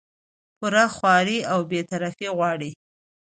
پوره خواري او بې طرفي غواړي